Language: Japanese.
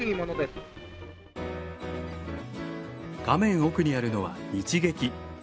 画面奥にあるのは日劇。